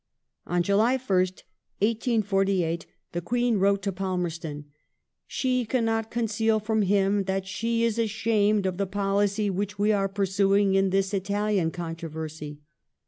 On July 1st, 1848, the Queen wrote to Palmei ston :" She cannot conceal from him that she is ashamed of the policy which we are pursuing in this Italian controversy